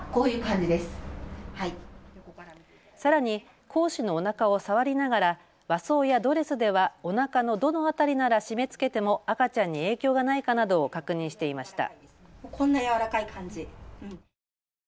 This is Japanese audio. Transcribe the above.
さらに講師のおなかを触りながら和装やドレスではおなかのどの辺りなら締めつけても赤ちゃんに影響がないかなどを確認していました。